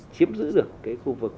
chiếm giữ được khu vực